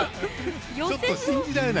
ちょっと信じられない。